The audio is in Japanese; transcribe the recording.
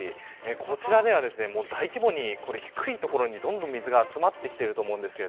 こちらでは大規模に低い所にどんどん水が集まってきていると思うんですが